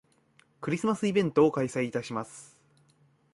クリスマスイベントを開催いたします